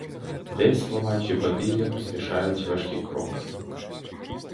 Десь, ламаючи бадилля, поспішають важкі кроки.